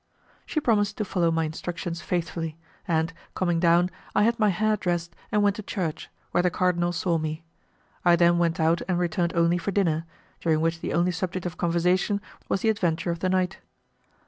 She promised to follow my instructions faithfully, and, coming down, I had my hair dressed and went to church, where the cardinal saw me. I then went out and returned only for dinner, during which the only subject of conversation was the adventure of the night.